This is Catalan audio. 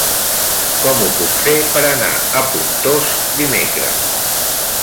Com ho puc fer per anar a Pontós dimecres?